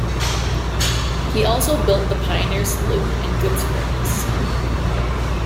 He also built the Pioneer Saloon in Goodsprings.